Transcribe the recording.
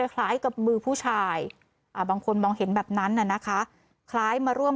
คล้ายกับมือผู้ชายบางคนมองเห็นแบบนั้นน่ะนะคะคล้ายมาร่วม